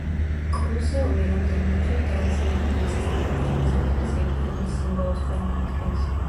კოლოსეუმი რამდენიმეჯერ დააზიანა მიწისძვრამ, თუმცა დღეს იგი რომის სიმბოლოს წარმოადგენს.